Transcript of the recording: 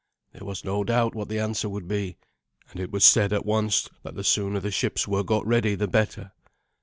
There was no doubt what the answer would be; and it was said at once that the sooner the ships were got ready the better.